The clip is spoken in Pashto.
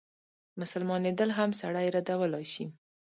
مسلمانېدل هم سړی ردولای شي.